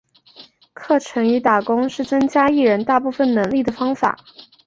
课程与打工是增加艺人大部分能力的方法。